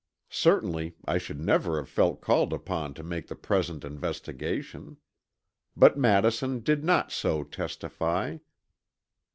Certainly I should never have felt called upon to make the present investigation. But Madison did not so testify.